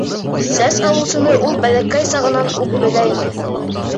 Сәс алыусыны ул бәләкәй сағынан уҡ белә ине.